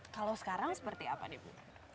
kalau sekarang seperti apa ibu